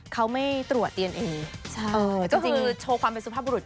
เขาไม่ตรวจดีเอนเอใช่เออก็คือโชว์ความเป็นสุภาพบุรุษ